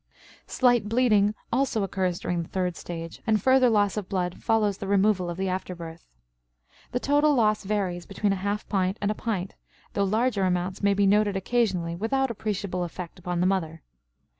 Slight bleeding also occurs during the third stage, and further loss of blood follows the removal of the after birth. The total loss varies between a half pint and a pint, though larger amounts may be noted occasionally without appreciable effect upon the mother.